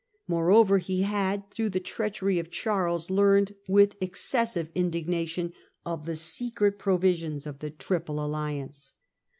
Moreover he had, through the treachery of Charles, learned with excessive His reasons. j n( jig nat j on 0 f the secret provisions of the Triple Alliance.